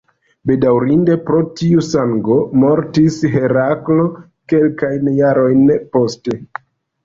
Bedaŭrinde, pro tiu sango mortis Heraklo kelkajn jarojn poste.